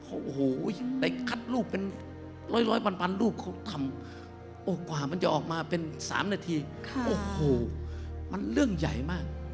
โอ้โหไปคัดรูปเป็นร้อยพันรูปเขาทำโอ้กว่ามันจะออกมาเป็น๓นาทีโอ้โหมันเรื่องใหญ่มาก